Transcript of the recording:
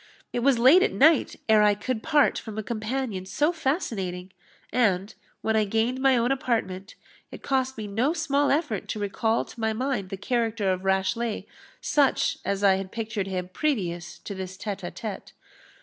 It was late at night ere I could part from a companion so fascinating; and, when I gained my own apartment, it cost me no small effort to recall to my mind the character of Rashleigh, such as I had pictured him previous to this _tete a tete.